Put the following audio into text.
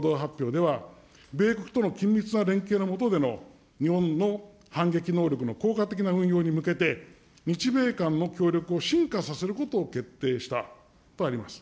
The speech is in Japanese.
２プラス２共同発表では、米国との緊密な連携の下での日本の反撃能力の効果的な運用に向けて、日米間の協力を深化させることを決定したとあります。